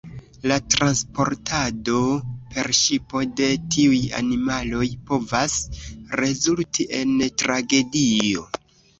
La transportado per ŝipo de tiuj animaloj povas rezulti en tragedio.